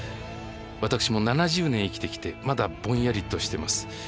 私も７０年生きてきてまだぼんやりとしてます。